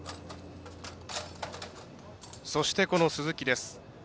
そして、鈴木です。